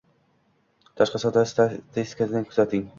Tashqi savdo statistikasini kuzating